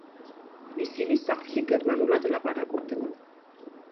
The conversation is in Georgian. ისინი სახლში გერმანულად ლაპარაკობდნენ.